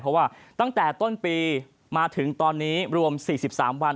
เพราะว่าตั้งแต่ต้นปีมาถึงตอนนี้รวม๔๓วัน